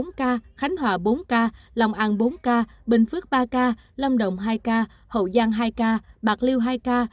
nguyễn hòa bốn ca long an bốn ca bình phước ba ca lâm động hai ca hậu giang hai ca bạc liêu hai ca